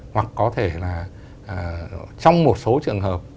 hoặc có thể là trong một số trường hợp